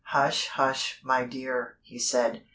"Hush, hush, my dear!" he said.